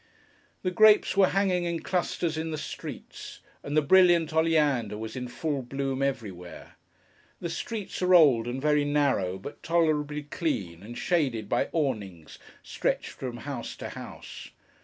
The grapes were hanging in clusters in the streets, and the brilliant Oleander was in full bloom everywhere. The streets are old and very narrow, but tolerably clean, and shaded by awnings stretched from house to house.